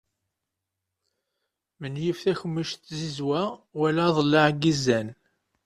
Menyif takemmict n tzizwa wala aḍellaɛ n yizan.